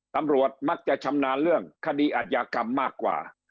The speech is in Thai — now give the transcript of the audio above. ตำรวจมักจะชำนาญเรื่องคดีอาจยากรรมมากกว่า